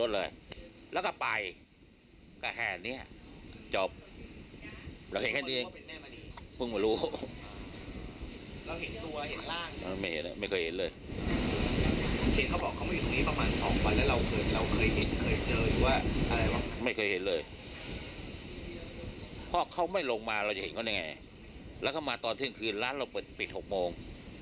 แล้วก็มาตอนถึงคืนร้านเราเปิดปิด๖โมง